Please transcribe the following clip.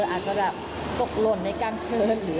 อาจจะแบบตกหล่นในการเชิญหรือ